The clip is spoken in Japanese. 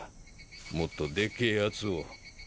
もっとでっけぇやつを。